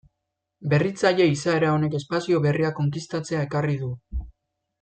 Berritzaile izaera honek espazio berriak konkistatzea ekarri du.